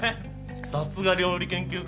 さすが料理研究家だわ。